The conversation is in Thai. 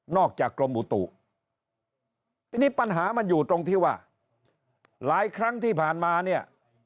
อกจากกรมอุตุทีนี้ปัญหามันอยู่ตรงที่ว่าหลายครั้งที่ผ่านมาเนี่ย